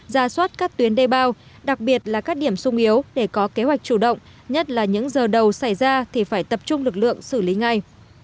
ra soát các tuyến đê bao đặc biệt là các điểm sung yếu để có kế hoạch chủ động nhất là những giờ đầu xảy ra thì phải tập trung lực lượng xử lý ngay